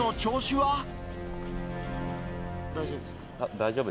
大丈夫？